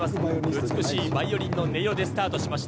美しいバイオリンの音色でスタートしました。